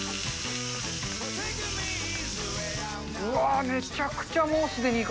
うわぁ、めちゃくちゃもうすでにいい